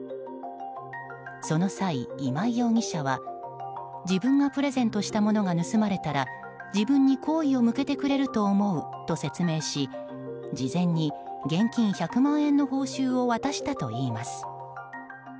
その際、今井容疑者は自分がプレゼントしたものが盗まれたら自分に好意を向けてくれると思うと説明し事前に現金１００万円の報酬を渡したといいます。